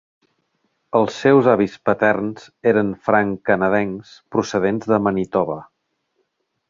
Els seus avis paterns eren franc-canadencs procedents de Manitoba.